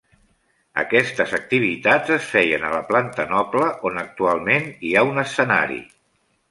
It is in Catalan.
Aquestes activitats es feien a la planta noble on actualment hi ha un escenari.